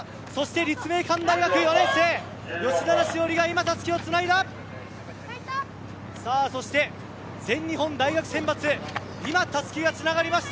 立命館大学４年生、吉薗栞が今たすきをつなぎました。